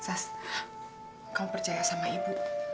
nah setengah setengah bangkainya